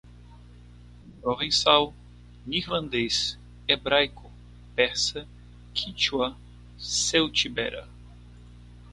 provençal, neerlandês, hebraico, persa, quíchua, celtibera